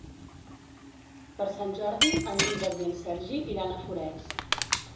Per Sant Jordi en Dídac i en Sergi iran a Forès.